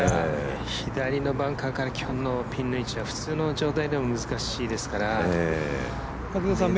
左のバンカーから今日のピンの位置は普通の状態でも難しいですから。